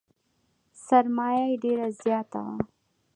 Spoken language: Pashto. سرمایه یې ډېره زیاته وه .